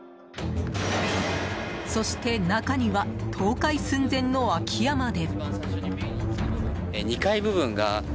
そして、中には倒壊寸前の空き家まで。